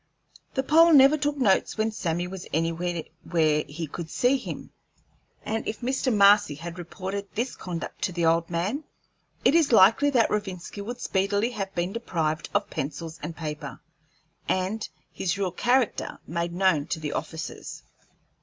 The Pole never took notes when Sammy was anywhere where he could see him, and if Mr. Marcy had reported this conduct to the old man, it is likely that Rovinski would speedily have been deprived of pencils and paper, and his real character made known to the officers.